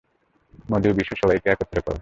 মধু, বিশু, সবাইকে একত্র করো।